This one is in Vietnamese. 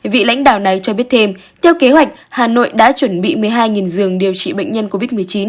vị lãnh đạo này cho biết thêm theo kế hoạch hà nội đã chuẩn bị một mươi hai giường điều trị bệnh nhân covid một mươi chín